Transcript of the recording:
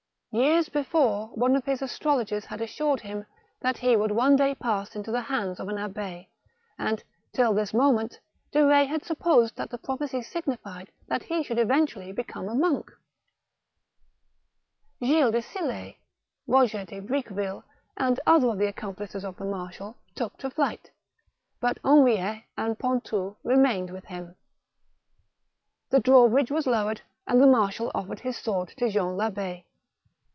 Years before, one of his astrologers had assured him that he would one day pass into the hands of an Abb6, and, till this moment, De Ketz had supposed that the prophecy signified that he should eventually become a monk. Gilles de Sill6, Koger de Briqueville, and other of the accomplices of the marshal, took to flight, but Henriet and Pontou remained with him. The drawbridge was lowered and the marshal offered his sword to Jean Labb6.